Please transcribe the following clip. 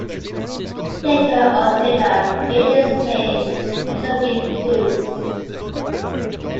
Thicker or thinner gauges may also be produced.